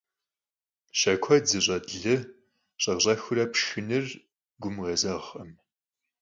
Şe kued zış'et lı ş'ex - ş'exıure pşşxınır gum khêzeğkhım.